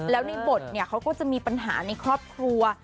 แล้วในบทเขาก็จะมีปัญหาในครอบครัว